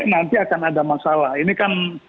nanti akan ada masalah ini kan